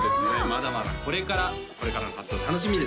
まだまだこれからこれからの活動楽しみですね